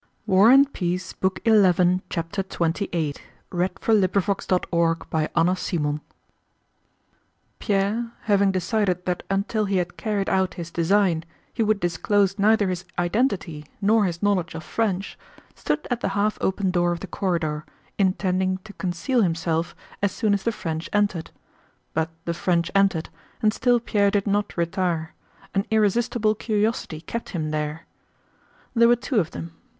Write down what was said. door could be heard. CHAPTER XXVIII Pierre, having decided that until he had carried out his design he would disclose neither his identity nor his knowledge of French, stood at the half open door of the corridor, intending to conceal himself as soon as the French entered. But the French entered and still Pierre did not retire—an irresistible curiosity kept him there. There were two of them.